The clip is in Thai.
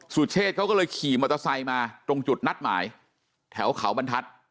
เชษเขาก็เลยขี่มอเตอร์ไซค์มาตรงจุดนัดหมายแถวเขาบรรทัศน์